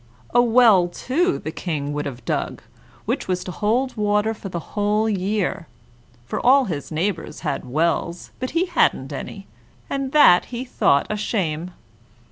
A well, too, the King would have dug, which was to hold water for the whole year; for all his neighbors had wells, but he hadn't any, and that he thought a shame.